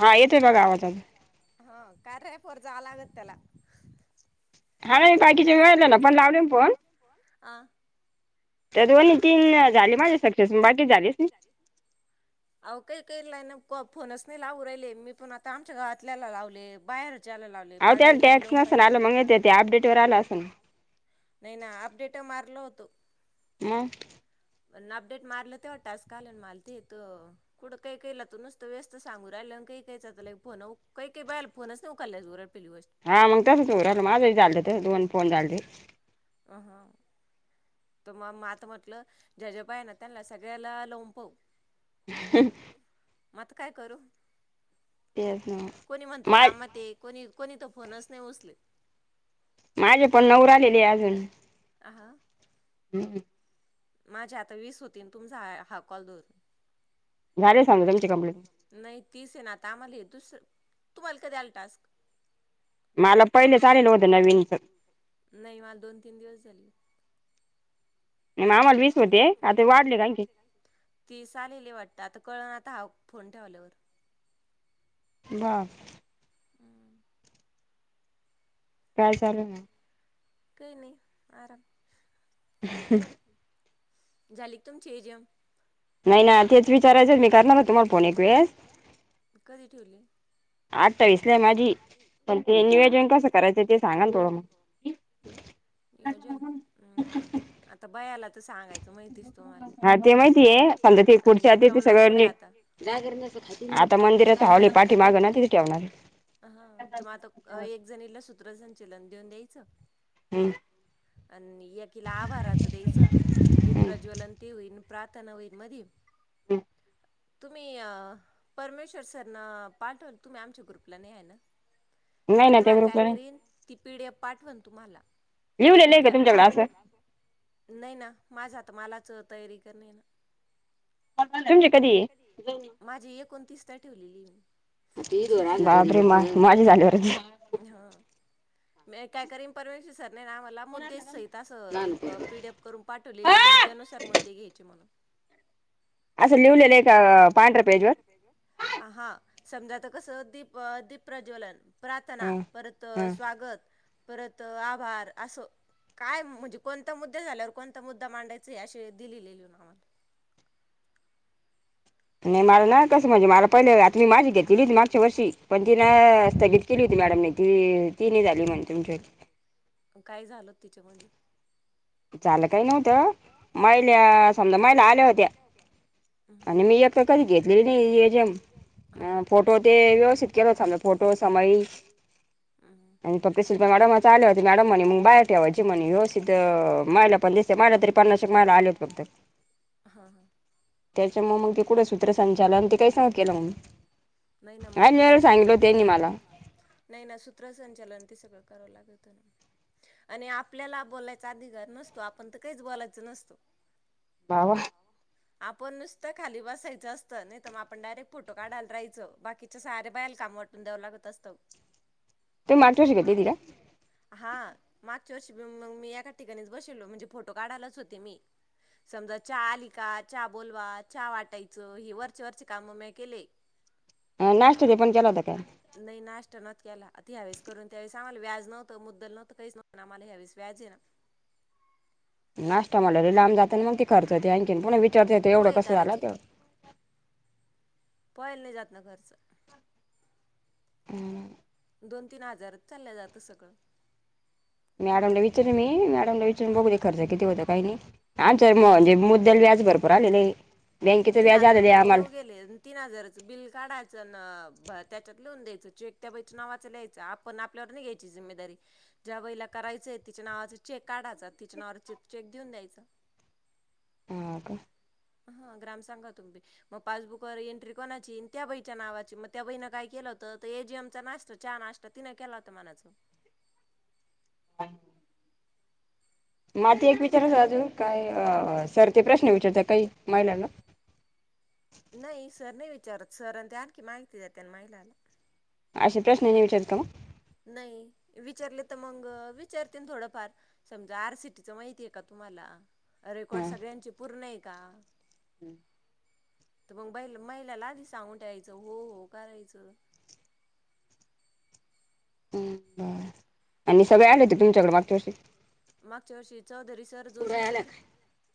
हां येत ते बग आवाज आलं हां कार्यएपवर जालागतला ना पण, लावले ना फोन दोन, तीन झाले माझे सक्सेस बाकी झालेच नाही काही काही लाइना क्वा फोनच नाही लावू राहिले मी पण आता आमच्या गावातल्याला लावले बाहेर च्या ला लावले पाडळीला बी लऊन पाहिले. नाही ना अपडेट मारलं होत तो अम पण अपडेट मारलं तेवा टास्क आलं न माल ते तं कुडं काई केईला तो नसतं व्यस्त सांगू राहिलं आण् काई काईचा तं लय फोनं उ काही काई बायला फोनच नाही उकाल्लयस् बरं हां मंग तसच उरालं माझंई झालतं तस् दोन फोन झाल्ते आ हां त म म आता म्हटलं, जजेबाय आहे ना त्यांला सगळ्याला लौन पव ह मात काय करू कोणी म्हणत कामात कोणी कोणी तर फोनस नाही उसले माझे पण नऊ रायलेले अजून आहा हम्म माझी आता वीस होती तुमचा हा कॉल दरून नाही तीस ना आता आम्हाला येत तुम्हाला कधी आलेत टास्क नाही मला दोन तीन दिवस झाले ती चालेली वाटत आता कळ आता फोन ठेवल्यावर ब काय चाले मग. इिक नाही आ ह जल तून चेजम. नाही ना तेच विचारायच करणार त म कधी ठेवले आ नियजन कस करायच ते सांगा नियोजनम् आता बयाला [unintelligible] सां मा ठे कुठत चलन देऊन द्यायचं हम्म आणि या किला आभाराचं द्यायचं. दिी प्रज्वलंतीन प्राातनवीमध्ये हम. तुम्ही परमेश्वर सरना पाठवल तुम्ही आमच्या ग्रुपला नाही आहे ना. नाही ना त्या ग्रुपला नाही ती पिढ पाठवन तुम्हाला नाही ना माझात मलाच तयारी करणे ये ना माझी हे कोणतीस ता ठेवलेली मी बाबरे मा माजी झालीवरे मी काय कररीम परमश सर नाही ना आ मला मुद्देच सहित असं एक पीडीएफ करून मुद्द्यानुसार मुद्दे घ्यायचे म्हणून अस लीवलेलं पांढरट आहे गं हा. समजा आता कसं दीप दीप प्रज्वलन, प्रार्थना परत स्वागत. परत आभार असं काय म्हणजे कोणता मुद्दे झाल्यावर कोणता मुद्दा मांडायचा याश दिलीलेली ना आम्हाला. नाही मार ना. कस म्हणजे मला पहिले आता मी माझी घेतलेली होती. मागच्या वर्षी पण ति ना स्थगित केली होती मॅडमने ती ती झाली म्हण तुमच्या काय झाल तिच्यामध्ये. चाल काही नव्हत महिल्या समजा महिला आल्या होत्या आणि मी एक कधी घेतलेली नाही. जेम फोटो ते व्यवस्थित केल होमज फोटो समय आणि प मॅडम आले होते. मॅडम म्हनी मग बाहेर ठेवा जे म्हणे व्यवस्थित मायला पण दिसते माला तरी पन्नाशक माला आले फक्त त्याच्या म मग ते कुठे सूत्रसंचालन नाही मग ते सगळं नाही ना सूत्र संचालन ते सगळं. कराव लागत आणि आपल्याला बोलायचा अधिकार नसतो, आपण तर काहीच बोलायच नसतं. बावा आपण नुसतं खाली बसायचं असत. नाही मग आपण डायरेक्ट फोटो काढायला रायचं. बाकीच्या सारे बायल काम वाटून द्यावं लागत असतं. हा मा च मग मी एका ठिकाणीच बसलो म्हणजे फोटो काढायलाच होते मी समजा चा आली का, चचा बोलवा चा, वाटायचं हे. खरच वरच काम मे केले. नाही नाष्टता नव केला आता ह्यावेळेस करून त्यावेळेस आम्हाला व्याज नव्हतं मुद्दल नव्हतं काहीच नव्ह आम्हाला ह्यावेळेस व्याज ये ना. नाश्ता मला रे लांब जात मग करत ते आणखीन पण विचारत एवढं कसं झाला त. पहिल नाही जात नाही खर्च. हम्म दोन तीन हजारच चाललं जातं सगळं. मॅडमला विचार मी मॅडमला विचारून बघू दे खर्च किती होतं काही नाही. ह तीन हजार रुपये जाऊ गेले तीन हजारच बिल काढायचं त्याच्यात लिहून द्यायचं चेक त्या बाईच्या नावाचं लिहायचं आपण आपल्यावर नाही घ्यायची जिमेदारी ज्या बाईला करायचय तिच्या नावाच चेक काढाचा तिच्या नावावर चेक घेऊन द्यायचा. अ का हा ग्राम सांगा तुम्ही मग पासबुक व एंट्री कोणाची त्या बईच्या नावाची मग त्या बईनं काय केलं होतं एजीएमच नाशत नाशत तिनं केला होत मनाचं. माती एक विचारायच अजू काय अ सर ते प्रश्न विचारत काही महिलांना चर सरण ते आणखी माहिती जात आणि महिलाला. नाही. विचारले तर मग विचारते थोडंफार समजा आर सीटीच माहितीय का तुम्हाला. रेकॉर्ड सगळ्यांचे पूर्ण येत काा हम्म तर मग बैल मैलाला आधी सांगून ठेयचं हो हो करायचं. ह [unintelligible] हम्म मागच्या वर्षी चौधरी सर जोशी सर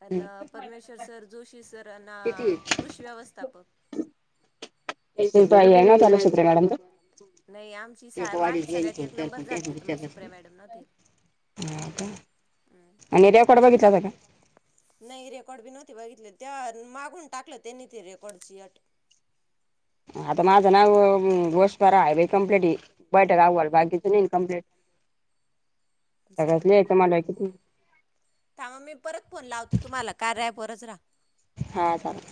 आणि परमेश्वर सर जोशी सर आणि कृषी व्यवस्थापक नाही आमची माझी सगळ्यात एक नंबर झाल त तर मग सुप्रिया मॅडम नव्हते नाही रेकॉर्ड बी नव्हते बघितले त्या मागून टाकलं त्यांनी ते रेकॉर्डची अट तर माझं नाव घोसपारा हायवे कम्प्लीट बैठक आवल बाकीचं नाही कम्प्लीट स कमप्लीट कर ां म मी परत फोन लावते तुम्हाला कार्य परतरा हा चाले